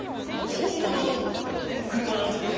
本物の車なんですね。